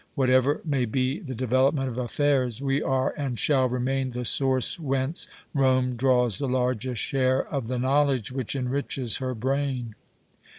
Whatever may be the development of affairs, we are and shall remain the source whence Rome draws the largest share of the knowledge which enriches her brain."